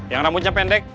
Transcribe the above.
yang rambutnya pendek